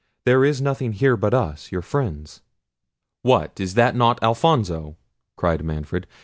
There is none here, but us, your friends." "What, is not that Alfonso?" cried Manfred.